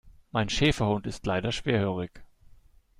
Mein Schäferhund ist leider schwerhörig.